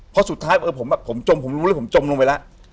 เพราะสุดท้ายผมจมผมรู้เลยผมจมลงไปแล้ว